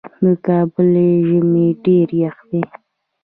د کابل ژمی ډیر یخ دی